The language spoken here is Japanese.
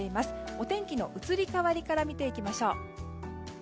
お天気の移り変わりから見ていきましょう。